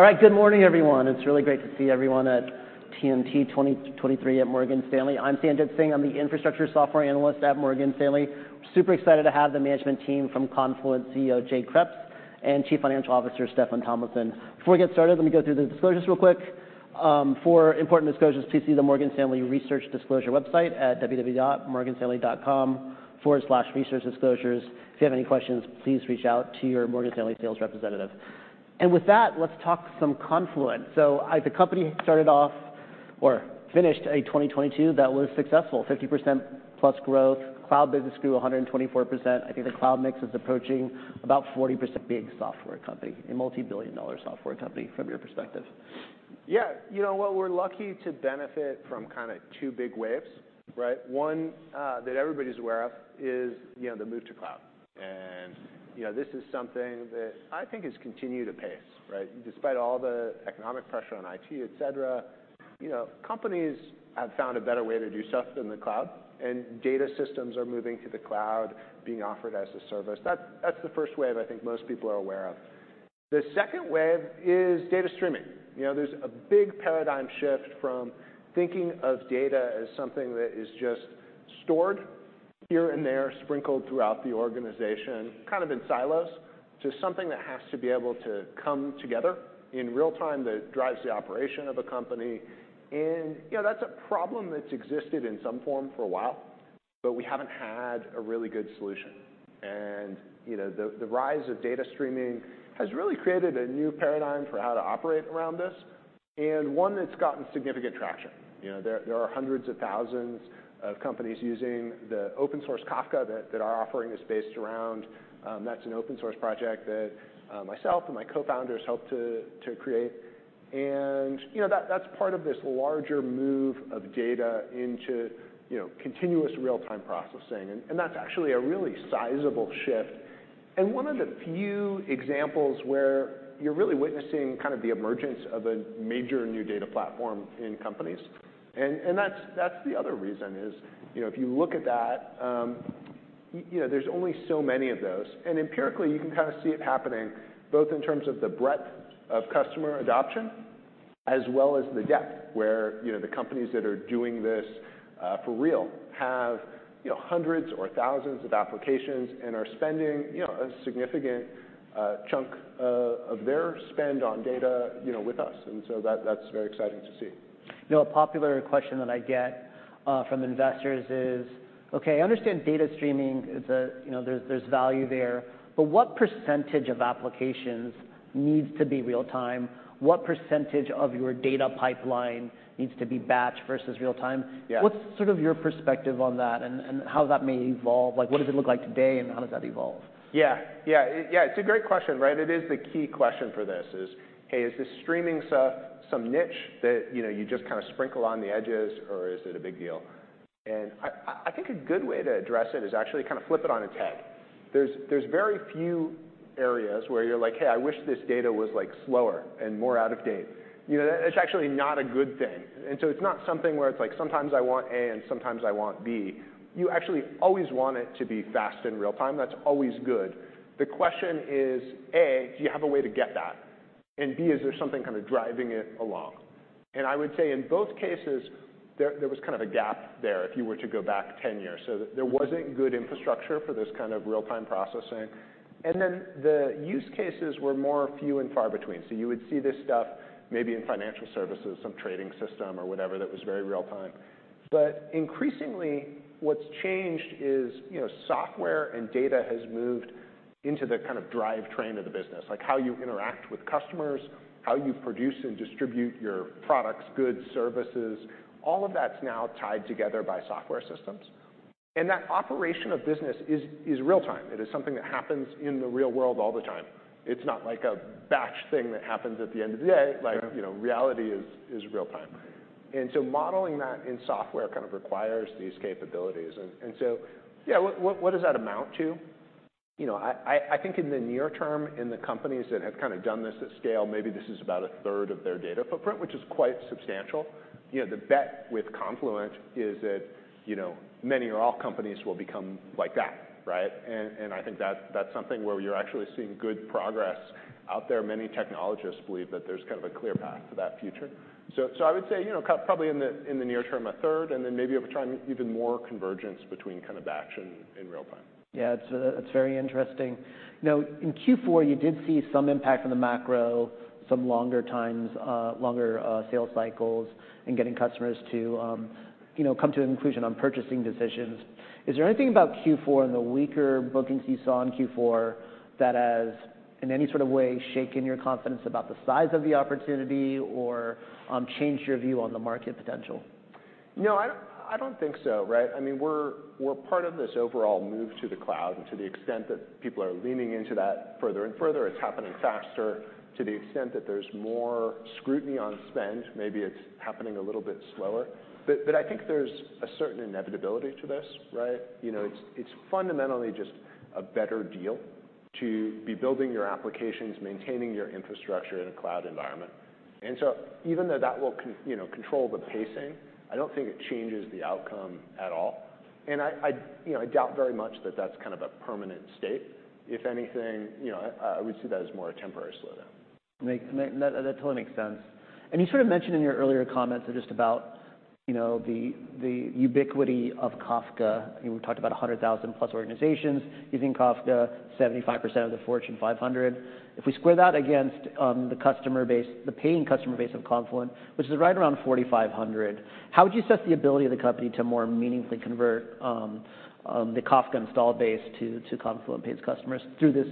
All right. Good morning, everyone. It's really great to see everyone at TMT 2023 at Morgan Stanley. I'm Sanjit Singh. I'm the Infrastructure Software Analyst at Morgan Stanley. Super excited to have the management team from Confluent CEO, Jay Kreps, and Chief Financial Officer, Rohan Sivaram. Before we get started, let me go through the disclosures real quick. For important disclosures, please see the Morgan Stanley Research Disclosure website at www.morganstanley.com/researchdisclosures. If you have any questions, please reach out to your Morgan Stanley sales representative. Let's talk some Confluent. The company started off or finished a 2022 that was successful, 50%+ growth. Cloud business grew 124%. I think the cloud mix is approaching about 40% big software company, a multi-billion dollar software company from your perspective. Yeah. You know what? We're lucky to benefit from kinda two big waves, right? One that everybody's aware of is, you know, the move to cloud. You know, this is something that I think has continued to pace, right? Despite all the economic pressure on IT, et cetera, you know, companies have found a better way to do stuff than the cloud, and data systems are moving to the cloud being offered as a service. That's the first wave I think most people are aware of. The second wave is data streaming. You know, there's a big paradigm shift from thinking of data as something that is just stored here and there, sprinkled throughout the organization, kind of in silos, to something that has to be able to come together in real time that drives the operation of a company. You know, that's a problem that's existed in some form for a while, but we haven't had a really good solution. You know, the rise of data streaming has really created a new paradigm for how to operate around this, and one that's gotten significant traction. You know, there are hundreds of thousands of companies using the open source Kafka that our offering is based around. That's an open source project that myself and my co-founders helped to create. You know, that's part of this larger move of data into, you know, continuous real-time processing. That's actually a really sizable shift and one of the few examples where you're really witnessing kind of the emergence of a major new data platform in companies. That's the other reason is, you know, if you look at that, you know, there's only so many of those. Empirically, you can kinda see it happening both in terms of the breadth of customer adoption as well as the depth, where, you know, the companies that are doing this for real have, you know, hundreds or thousands of applications and are spending, you know, a significant chunk of their spend on data, you know, with us. That's very exciting to see. You know, a popular question that I get from investors is, okay, I understand data streaming is a, you know, there's value there. What percentage of applications needs to be real time? What percentage of your data pipeline needs to be batched versus real time? Yeah. What's sort of your perspective on that and how that may evolve? Like, what does it look like today, and how does that evolve? Yeah. Yeah, it's a great question, right? It is the key question for this is, hey, is this streaming stuff some niche that, you know, you just kinda sprinkle on the edges, or is it a big deal? I think a good way to address it is actually kinda flip it on its head. There's very few areas where you're like, "Hey, I wish this data was like slower and more out of date." You know, that's actually not a good thing. It's not something where it's like, sometimes I want A and sometimes I want B. You actually always want it to be fast in real time. That's always good. The question is, A, do you have a way to get that? B, is there something kinda driving it along? I would say in both cases, there was kind of a gap there if you were to go back 10 years. There wasn't good infrastructure for this kind of real-time processing. The use cases were more few and far between. You would see this stuff maybe in financial services, some trading system or whatever that was very real time. Increasingly, what's changed is, you know, software and data has moved into the kind of drive train of the business, like how you interact with customers, how you produce and distribute your products, goods, services. All of that's now tied together by software systems. That operation of business is real time. It is something that happens in the real world all the time. It's not like a batch thing that happens at the end of the day. Yeah. Like, you know, reality is real time. Modeling that in software kind of requires these capabilities. Yeah, what, what does that amount to? You know, I think in the near term, in the companies that have kinda done this at scale, maybe this is about a third of their data footprint, which is quite substantial. You know, the bet with Confluent is that, you know, many or all companies will become like that, right? I think that's something where you're actually seeing good progress out there. Many technologists believe that there's kind of a clear path to that future. I would say, you know, probably in the, in the near term, a third, and then maybe over time, even more convergence between kind of batch and in real time. Yeah. It's very interesting. In Q4, you did see some impact on the macro, some longer times, longer sales cycles and getting customers to, you know, come to a conclusion on purchasing decisions. Is there anything about Q4 and the weaker bookings you saw in Q4 that has, in any sort of way, shaken your confidence about the size of the opportunity or, changed your view on the market potential? I don't think so, right? I mean, we're part of this overall move to the cloud. To the extent that people are leaning into that further and further, it's happening faster. To the extent that there's more scrutiny on spend, maybe it's happening a little bit slower. I think there's a certain inevitability to this, right? You know, it's fundamentally just a better deal to be building your applications, maintaining your infrastructure in a cloud environment. Even though that will control the pacing, I don't think it changes the outcome at all. I, you know, I doubt very much that that's kind of a permanent state. If anything, you know, I would see that as more a temporary slowdown. That totally makes sense. You sort of mentioned in your earlier comments just about, you know, the ubiquity of Kafka. You know, we talked about 100,000+ organizations using Kafka, 75% of the Fortune 500. If we square that against the customer base, the paying customer base of Confluent, which is right around 4,500, how would you assess the ability of the company to more meaningfully convert the Kafka install base to Confluent paid customers through this,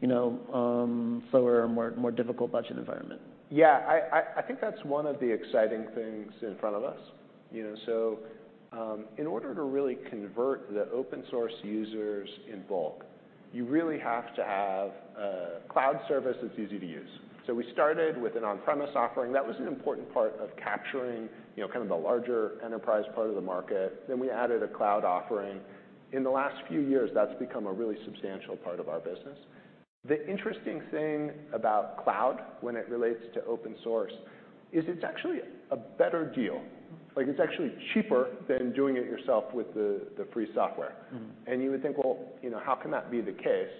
you know, slower, more difficult budget environment? Yeah. I think that's one of the exciting things in front of us, you know? In order to really convert the open source users in bulk, you really have to have a cloud service that's easy to use. We started with an on-premise offering. That was an important part of capturing, you know, kind of the larger enterprise part of the market. We added a cloud offering. In the last few years, that's become a really substantial part of our business. The interesting thing about cloud when it relates to open source is it's actually a better deal. Like, it's actually cheaper than doing it yourself with the free software. You would think, "Well, you know, how can that be the case?"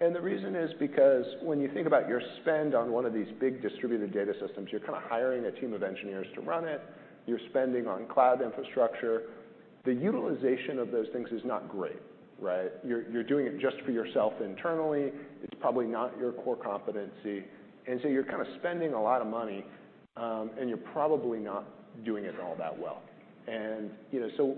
The reason is because when you think about your spend on one of these big distributed data systems, you're kind of hiring a team of engineers to run it, you're spending on cloud infrastructure. The utilization of those things is not great, right? You're doing it just for yourself internally. It's probably not your core competency. You're kind of spending a lot of money, and you're probably not doing it all that well. You know,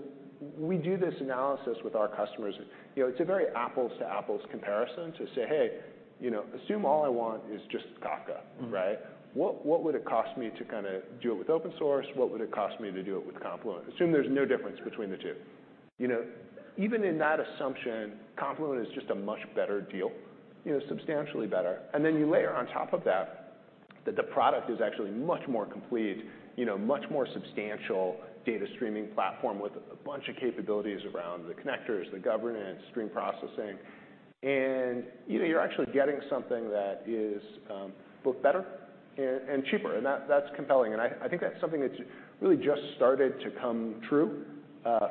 we do this analysis with our customers. You know, it's a very apples to apples comparison to say, "Hey, you know, assume all I want is just Kafka," right? What would it cost me to kind of do it with open source? What would it cost me to do it with Confluent? Assume there's no difference between the two. You know, even in that assumption, Confluent is just a much better deal, you know, substantially better. Then you layer on top of that the product is actually much more complete, you know, much more substantial data streaming platform with a bunch of capabilities around the connectors, the governance, stream processing. You know, you're actually getting something that is both better and cheaper, and that's compelling. I think that's something that's really just started to come true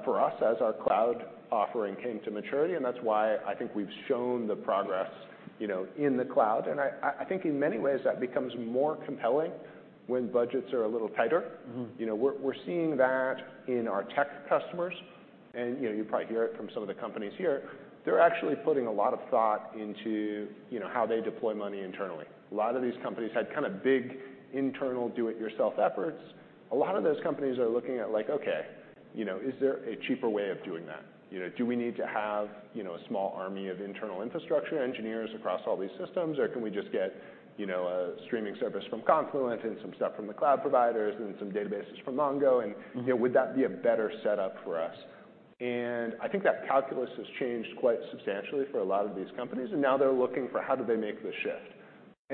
for us as our cloud offering came to maturity, and that's why I think we've shown the progress, you know, in the cloud. I think in many ways that becomes more compelling when budgets are a little tighter. You know, we're seeing that in our tech customers. You know, you probably hear it from some of the companies here. They're actually putting a lot of thought into, you know, how they deploy money internally. A lot of these companies had kind of big internal do it yourself efforts. A lot of those companies are looking at like, "Okay, you know, is there a cheaper way of doing that?" You know, "Do we need to have, you know, a small army of internal infrastructure engineers across all these systems, or can we just get, you know, a streaming service from Confluent and some stuff from the cloud providers and some databases from Mongo, and, you know, would that be a better setup for us?" I think that calculus has changed quite substantially for a lot of these companies, and now they're looking for how do they make the shift.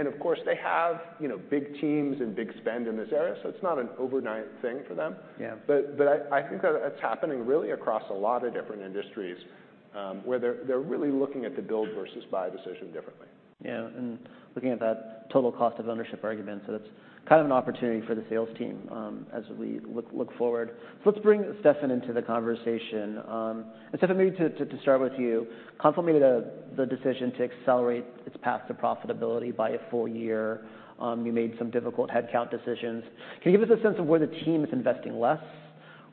Of course, they have, you know, big teams and big spend in this area, so it's not an overnight thing for them. Yeah. I think that it's happening really across a lot of different industries, where they're really looking at the build versus buy decision differently. Yeah. Looking at that total cost of ownership argument, that's kind of an opportunity for the sales team, as we look forward. Let's bring Rohan into the conversation. Sivaram, maybe to start with you. Confluent made the decision to accelerate its path to profitability by a full year. You made some difficult headcount decisions. Can you give us a sense of where the team is investing less,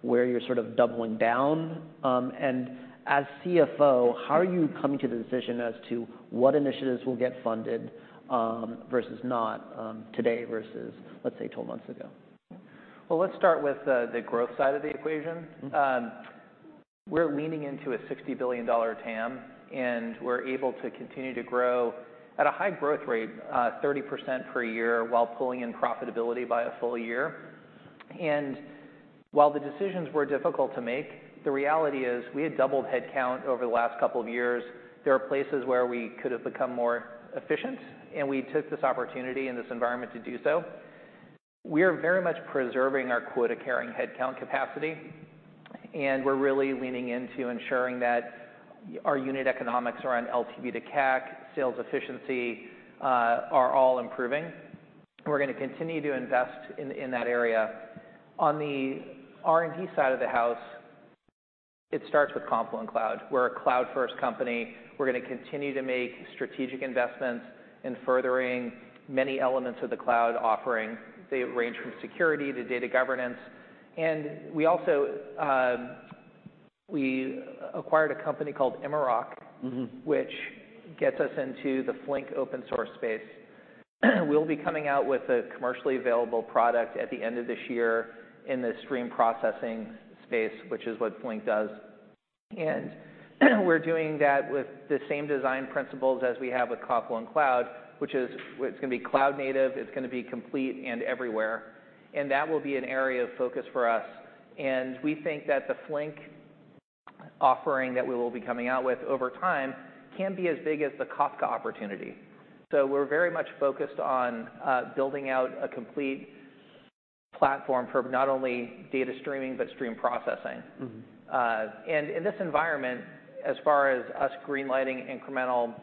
where you're sort of doubling down, and as CFO, how are you coming to the decision as to what initiatives will get funded, versus not, today versus, let's say, 12 months ago? Let's start with the growth side of the equation. We're leaning into a $60 billion TAM, and we're able to continue to grow at a high growth rate, 30% per year while pulling in profitability by one full year. While the decisions were difficult to make, the reality is we had doubled headcount over the last two years. There are places where we could have become more efficient, and we took this opportunity and this environment to do so. We are very much preserving our quota-carrying headcount capacity, and we're really leaning into ensuring that our unit economics around LTV to CAC, sales efficiency, are all improving. We're gonna continue to invest in that area. On the R&D side of the house, it starts with Confluent Cloud. We're a cloud-first company. We're gonna continue to make strategic investments in furthering many elements of the cloud offering. They range from security to data governance. We also, we acquired a company called Immerok which gets us into the Flink open source space. We'll be coming out with a commercially available product at the end of this year in the stream processing space, which is what Flink does. We're doing that with the same design principles as we have with Confluent Cloud, which is it's gonna be cloud native, it's gonna be complete and everywhere. That will be an area of focus for us. We think that the Flink offering that we will be coming out with over time can be as big as the Kafka opportunity. We're very much focused on building out a complete platform for not only data streaming, but stream processing. In this environment, as far as us green-lighting incremental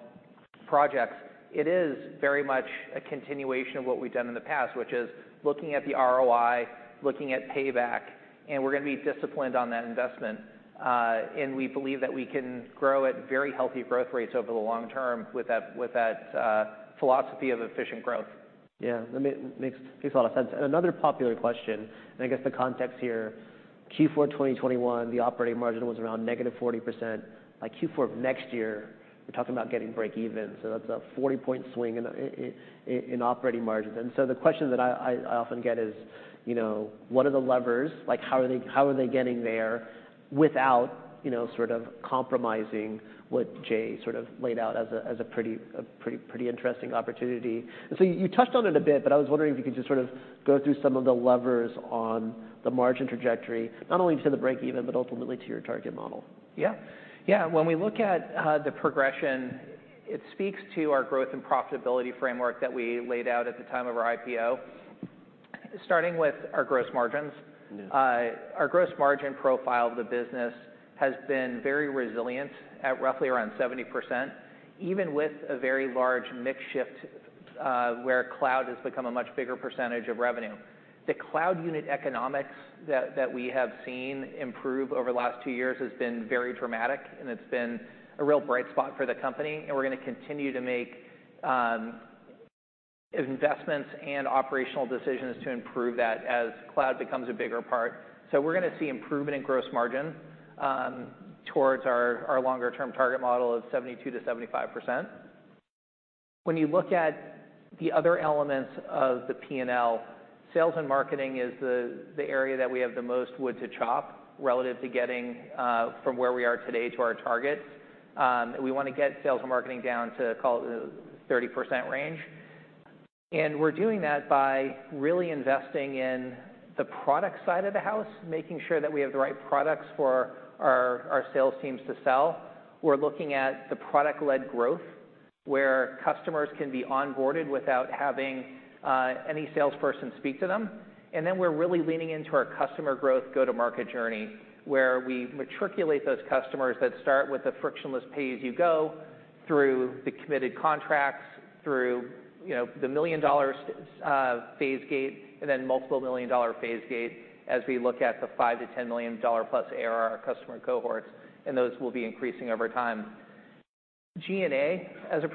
projects, it is very much a continuation of what we've done in the past, which is looking at the ROI, looking at payback, and we're gonna be disciplined on that investment. We believe that we can grow at very healthy growth rates over the long term with that, with that philosophy of efficient growth. That makes a lot of sense. Another popular question, and I guess the context here, Q4 2021, the operating margin was around -40%. By Q4 of next year we're talking about getting breakeven, so that's a 40-point swing in operating margins. The question that I often get is, you know, what are the levers? Like, how are they, how are they getting there without, you know, sort of compromising what Jay sort of laid out as a pretty interesting opportunity. You touched on it a bit, but I was wondering if you could just sort of go through some of the levers on the margin trajectory, not only to the breakeven, but ultimately to your target model. Yeah. Yeah, when we look at the progression, it speaks to our growth and profitability framework that we laid out at the time of our IPO, starting with our gross margins. Yeah. Our gross margin profile of the business has been very resilient at roughly around 70%, even with a very large mix shift, where cloud has become a much bigger percentage of revenue. The cloud unit economics that we have seen improve over the last two years has been very dramatic, and it's been a real bright spot for the company, and we're gonna continue to make investments and operational decisions to improve that as cloud becomes a bigger part. We're gonna see improvement in gross margin towards our longer term target model of 72%-75%. When you look at the other elements of the P&L, sales and marketing is the area that we have the most wood to chop relative to getting from where we are today to our targets. We wanna get sales and marketing down to call it 30% range. We're doing that by really investing in the product side of the house, making sure that we have the right products for our sales teams to sell. We're looking at the product-led growth, where customers can be onboarded without having any salesperson speak to them. Then we're really leaning into our customer growth go-to-market journey, where we matriculate those customers that start with the frictionless pay-as-you-go through the committed contracts, through, you know, the million-dollar phase gate, and then multiple million-dollar phase gate as we look at the $5 million-$10 million+ ARR customer cohorts, and those will be increasing over time. G&A as a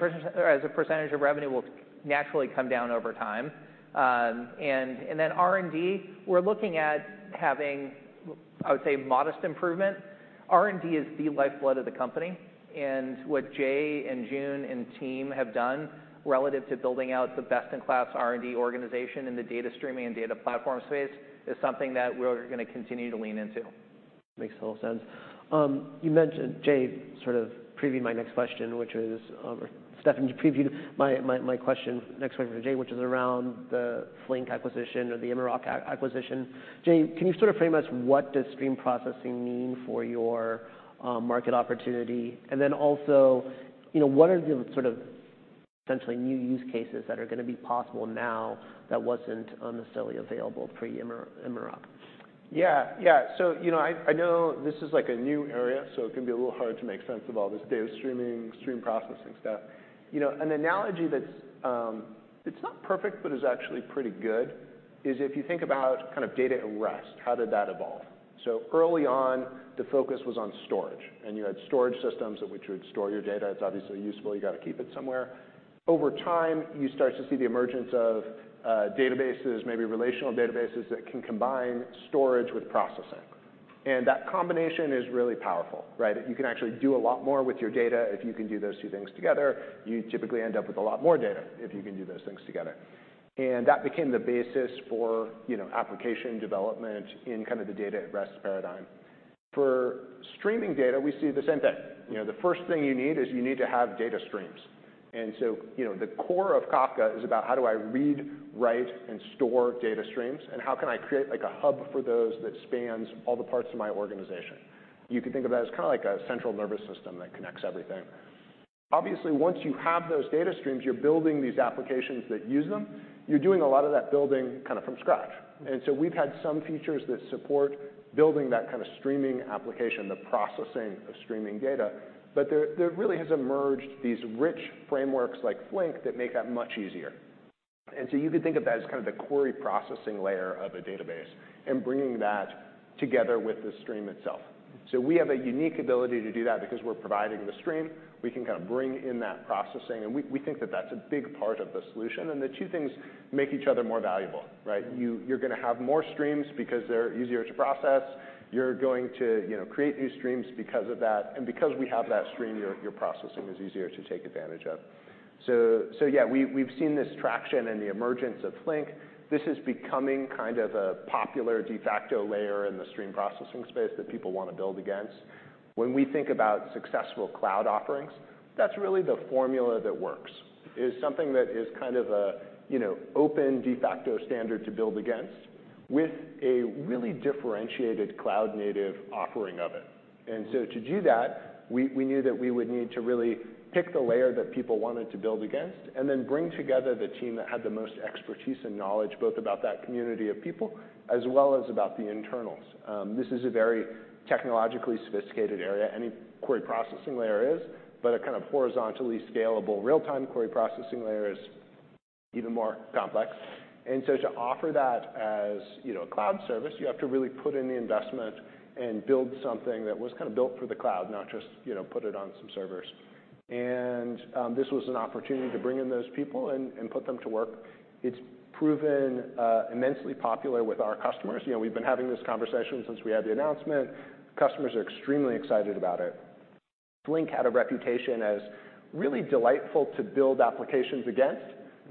percentage of revenue will naturally come down over time. R&D, we're looking at having, I would say modest improvement. R&D is the lifeblood of the company, and what Jay and Jun and team have done relative to building out the best-in-class R&D organization in the data streaming and data platform space is something that we're gonna continue to lean into. Makes a lot of sense. You mentioned, Jay, sort of previewed my next question. Or Rohan, you previewed my next question for Jay, which is around the Flink acquisition or the Immerok acquisition. Jay, can you sort of frame us what does stream processing mean for your market opportunity? You know, what are the sort of potentially new use cases that are gonna be possible now that wasn't necessarily available pre-Immerok? Yeah. You know, I know this is like a new area, so it can be a little hard to make sense of all this data streaming, stream processing stuff. You know, an analogy that's, it's not perfect, but is actually pretty good, is if you think about kind of data at rest, how did that evolve? Early on, the focus was on storage, and you had storage systems at which you would store your data. It's obviously useful. You got to keep it somewhere. Over time, you start to see the emergence of databases, maybe relational databases that can combine storage with processing. That combination is really powerful, right? You can actually do a lot more with your data if you can do those two things together. You typically end up with a lot more data if you can do those things together. That became the basis for, you know, application development in kind of the data at rest paradigm. For streaming data, we see the same thing. You know, the first thing you need is you need to have data streams. You know, the core of Kafka is about how do I read, write, and store data streams, and how can I create like a hub for those that spans all the parts of my organization? You can think of that as kind of like a central nervous system that connects everything. Obviously, once you have those data streams, you're building these applications that use them. You're doing a lot of that building kind of from scratch. We've had some features that support building that kind of streaming application, the processing of streaming data. There really has emerged these rich frameworks like Flink that make that much easier. You can think of that as kind of the query processing layer of a database and bringing that together with the stream itself. We have a unique ability to do that because we're providing the stream. We can kind of bring in that processing, and we think that that's a big part of the solution, and the two things make each other more valuable, right? You're gonna have more streams because they're easier to process. You're going to, you know, create new streams because of that, and because we have that stream, your processing is easier to take advantage of. Yeah, we've seen this traction and the emergence of Flink. This is becoming kind of a popular de facto layer in the stream processing space that people wanna build against. When we think about successful cloud offerings, that's really the formula that works, is something that is kind of a, you know, open de facto standard to build against with a really differentiated cloud native offering of it. To do that, we knew that we would need to really pick the layer that people wanted to build against, and then bring together the team that had the most expertise and knowledge, both about that community of people as well as about the internals. This is a very technologically sophisticated area. Any query processing layer is, but a kind of horizontally scalable real-time query processing layer is even more complex. To offer that as, you know, a cloud service, you have to really put in the investment and build something that was kind of built for the cloud, not just, you know, put it on some servers. This was an opportunity to bring in those people and put them to work. It's proven immensely popular with our customers. We've been having this conversation since we had the announcement. Customers are extremely excited about it. Flink had a reputation as really delightful to build applications against,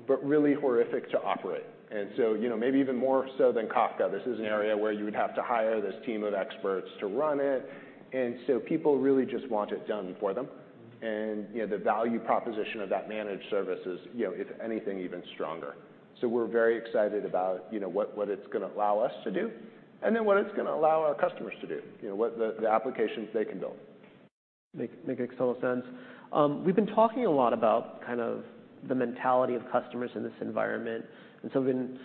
but really horrific to operate. You know, maybe even more so than Kafka, this is an area where you would have to hire this team of experts to run it. People really just want it done for them. You know, the value proposition of that managed service is, you know, if anything, even stronger. We're very excited about, you know, what it's gonna allow us to do, and then what it's gonna allow our customers to do, you know, what the applications they can build. Make total sense. We've been talking a lot about kind of the mentality of customers in this environment, we've been,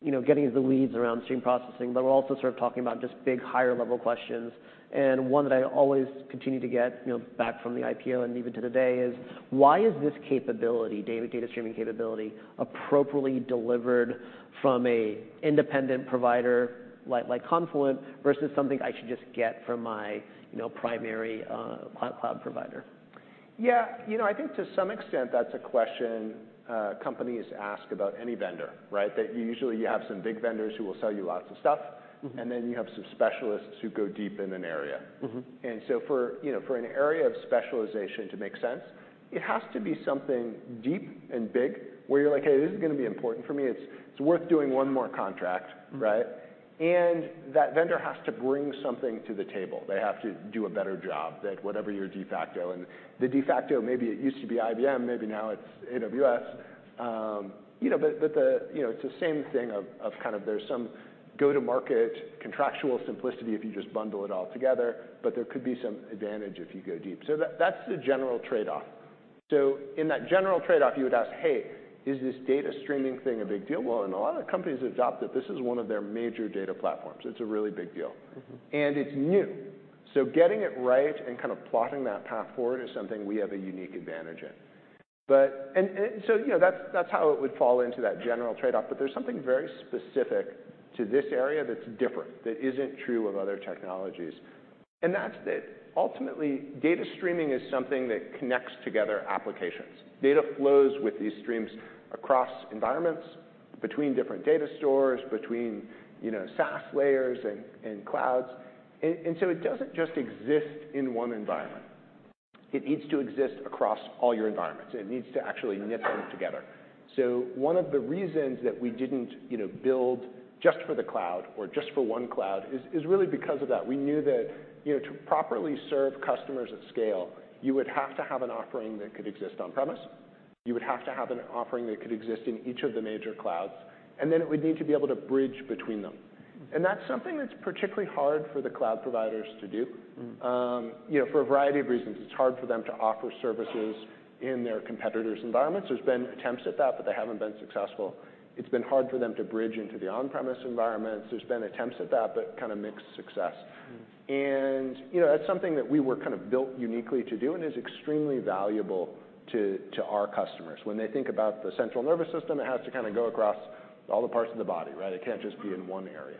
you know, getting the leads around stream processing, we're also sort of talking about just big higher level questions. One that I always continue to get, you know, back from the IPO and even to today is: Why is this capability, data streaming capability appropriately delivered from an independent provider, like Confluent versus something I should just get from my, you know, primary cloud provider? Yeah. You know, I think to some extent that's a question, companies ask about any vendor, right? You usually, you have some big vendors who will sell you lots of stuff. You have some specialists who go deep in an area. For, you know, for an area of specialization to make sense, it has to be something deep and big where you're like, "Hey, this is gonna be important for me. It's, it's worth doing one more contract," right? That vendor has to bring something to the table. They have to do a better job than whatever your de facto. The de facto, maybe it used to be IBM, maybe now it's AWS. The, you know, it's the same thing of kind of there's some go to market contractual simplicity if you just bundle it all together, but there could be some advantage if you go deep. That, that's the general trade-off. In that general trade-off, you would ask, "Hey, is this data streaming thing a big deal?" Well, in a lot of the companies adopt it, this is one of their major data platforms. It's a really big deal. It's new. Getting it right and kind of plotting that path forward is something we have a unique advantage in. You know, that's how it would fall into that general trade-off, but there's something very specific to this area that's different, that isn't true of other technologies. That's that ultimately data streaming is something that connects together applications. Data flows with these streams across environments, between different data stores, between, you know, SaaS layers and clouds. It doesn't just exist in one environment. It needs to exist across all your environments. It needs to actually knit them together. One of the reasons that we didn't, you know, build just for the cloud or just for one cloud is really because of that. We knew that, you know, to properly serve customers at scale, you would have to have an offering that could exist on-premise, you would have to have an offering that could exist in each of the major clouds, and then it would need to be able to bridge between them. That's something that's particularly hard for the cloud providers to do. You know, for a variety of reasons. It's hard for them to offer services in their competitors' environments. There's been attempts at that, they haven't been successful. It's been hard for them to bridge into the on-premise environments. There's been attempts at that, kind of mixed success. You know, that's something that we were kind of built uniquely to do and is extremely valuable to our customers. When they think about the central nervous system, it has to kind of go across all the parts of the body, right? It can't just be in one area.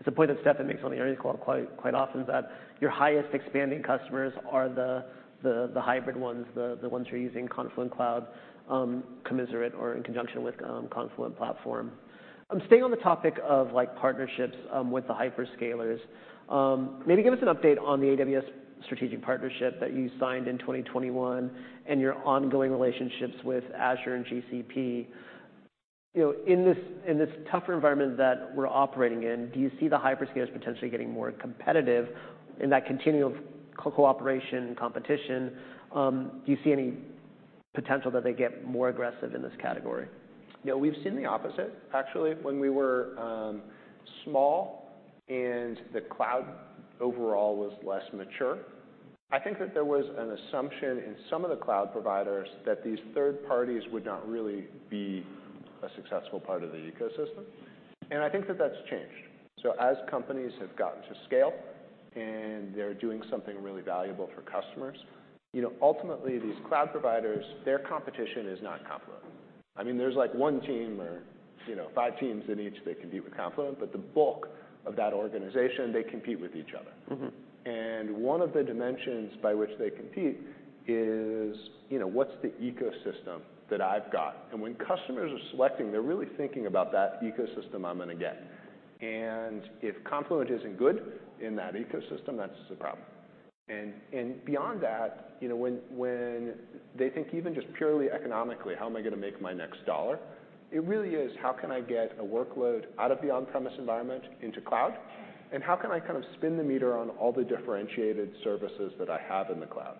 It's a point that Rohan makes on the earnings call quite often, that your highest expanding customers are the hybrid ones, the ones who are using Confluent Cloud, commiserate or in conjunction with Confluent Platform. Staying on the topic of like partnerships with the hyperscalers, maybe give us an update on the AWS strategic partnership that you signed in 2021 and your ongoing relationships with Azure and GCP. You know, in this tougher environment that we're operating in, do you see the hyperscalers potentially getting more competitive in that continuum of cooperation, competition? Do you see any potential that they get more aggressive in this category? You know, we've seen the opposite. Actually, when we were small and the cloud overall was less mature, I think that there was an assumption in some of the cloud providers that these third parties would not really be a successful part of the ecosystem, and I think that that's changed. As companies have gotten to scale and they're doing something really valuable for customers, you know, ultimately these cloud providers, their competition is not Confluent. I mean, there's like one team or, you know, five teams in each that compete with Confluent, but the bulk of that organization, they compete with each other. One of the dimensions by which they compete is, you know, what's the ecosystem that I've got? When customers are selecting, they're really thinking about that ecosystem I'm gonna get. If Confluent isn't good in that ecosystem, that's a problem. Beyond that, you know, when they think even just purely economically, how am I gonna make my next dollar? It really is, how can I get a workload out of the on-premise environment into cloud, and how can I kind of spin the meter on all the differentiated services that I have in the cloud?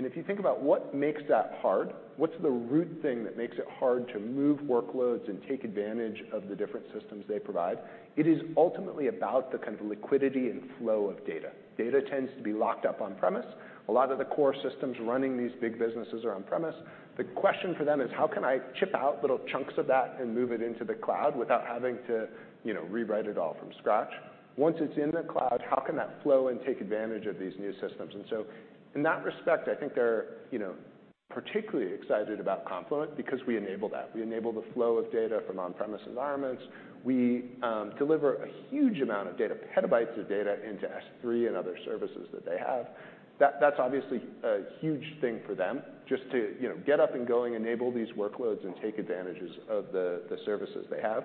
If you think about what makes that hard, what's the root thing that makes it hard to move workloads and take advantage of the different systems they provide, it is ultimately about the kind of liquidity and flow of data. Data tends to be locked up on-premise. A lot of the core systems running these big businesses are on-premise. The question for them is, how can I chip out little chunks of that and move it into the cloud without having to, you know, rewrite it all from scratch? Once it's in the cloud, how can that flow and take advantage of these new systems? In that respect, I think there are, you know. Particularly excited about Confluent because we enable that. We enable the flow of data from on-premise environments. We deliver a huge amount of data, petabytes of data into S3 and other services that they have. That's obviously a huge thing for them just to, you know, get up and going, enable these workloads, and take advantages of the services they have.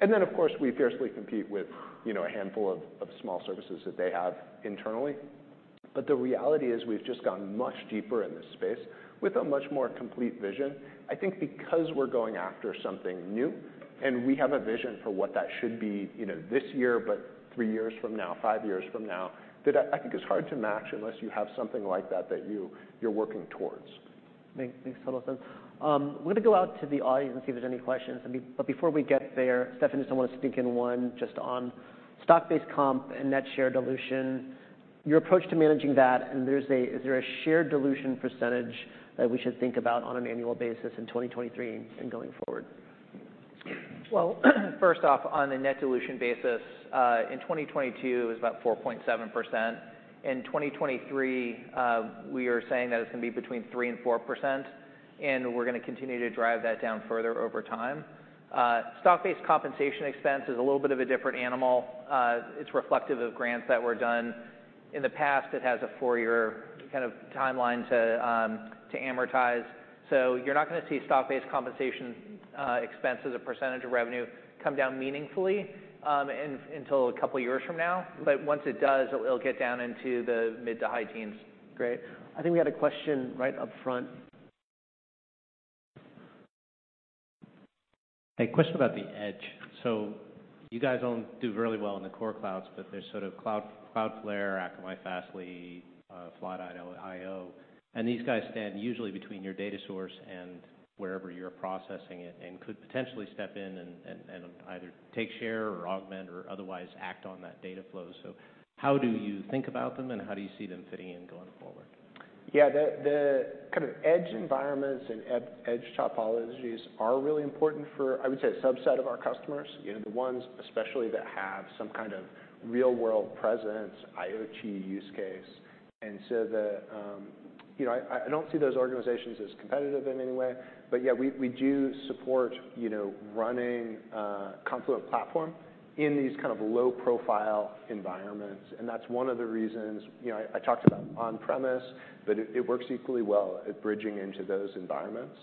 Of course, we fiercely compete with, you know, a handful of small services that they have internally. The reality is we've just gotten much deeper in this space with a much more complete vision. I think because we're going after something new, and we have a vision for what that should be, you know, this year, but three years from now, five years from now, that I think it's hard to match unless you have something like that that you're working towards. Makes total sense. I'm gonna go out to the audience and see if there's any questions. Before we get there, Rohan, I just wanna sneak in one just on stock-based comp and net share dilution, your approach to managing that. Is there a shared dilution percentage that we should think about on an annual basis in 2023 and going forward? First off, on a net dilution basis, in 2022 it was about 4.7%. In 2023, we are saying that it's gonna be between 3%-4%, and we're gonna continue to drive that down further over time. Stock-based compensation expense is a little bit of a different animal. It's reflective of grants that were done in the past. It has a four-year kind of timeline to amortize. You're not gonna see stock-based compensation expense as a percentage of revenue come down meaningfully until a couple years from now. Once it does, it'll get down into the mid to high teens. Great. I think we had a question right up front. A question about the edge. You guys don't do really well in the core clouds, but there's sort of cloud, Cloudflare, Akamai, Fastly, Fly.io, and these guys stand usually between your data source and wherever you're processing it and could potentially step in and either take share or augment or otherwise act on that data flow. How do you think about them, and how do you see them fitting in going forward? Yeah. The kind of edge environments and edge topologies are really important for, I would say, a subset of our customers, you know, the ones especially that have some kind of real world presence IoT use case. You know, I don't see those organizations as competitive in any way. We do support, you know, running Confluent Platform in these kind of low profile environments, that's one of the reasons, you know. I talked about on-premise, it works equally well at bridging into those environments.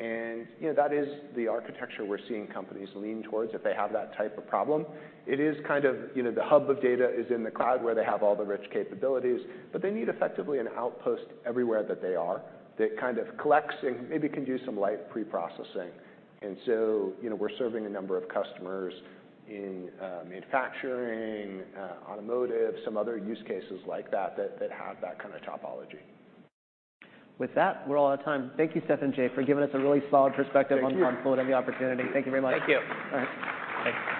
You know, that is the architecture we're seeing companies lean towards if they have that type of problem. It is kind of, you know, the hub of data is in the cloud where they have all the rich capabilities, but they need effectively an outpost everywhere that they are that kind of collects and maybe can do some light pre-processing. You know, we're serving a number of customers in manufacturing, automotive, some other use cases like that that have that kind of topology. With that, we're all out of time. Thank you, Rohan Sivaram and Jay, for giving us a really solid perspective. Thank you. On Confluent and the opportunity. Thank you very much. Thank you. All right. Thanks.